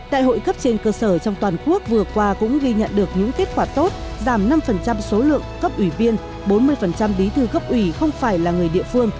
đại hội cấp trên cơ sở trong toàn quốc vừa qua cũng ghi nhận được những kết quả tốt giảm năm số lượng cấp ủy viên bốn mươi bí thư cấp ủy không phải là người địa phương